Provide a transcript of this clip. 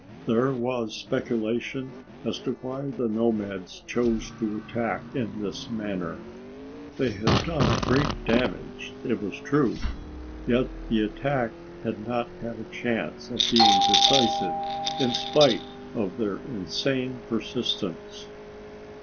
There was speculation as to why the nomads chose to attack in this manner. They had done great damage, it was true, yet the attack had not had a chance of being decisive in spite of their insane persistence.